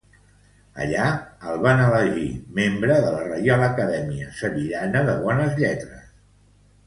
Allà el van elegir membre de la Reial Acadèmia Sevillana de Bones Lletres.